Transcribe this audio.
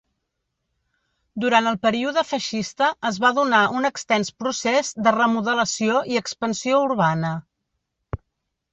Durant el període feixista es va donar un extens procés de remodelació i expansió urbana.